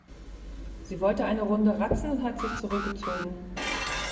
Sie wollte eine Runde ratzen und hat sich zurückgezogen.